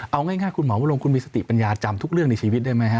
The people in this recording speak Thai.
เอาง่ายคุณหมอวรงคุณมีสติปัญญาจำทุกเรื่องในชีวิตได้ไหมฮ